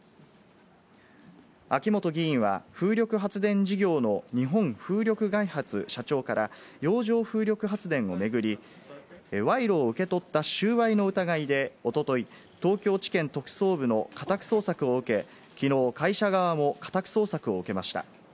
秋本議員は風力発電事業の日本風力開発社長から、洋上風力発電を巡り、賄賂を受け取った収賄の疑いで、おととい、東京地検特捜部の家宅捜索を受け、きのう会社側も家宅捜索を受けました。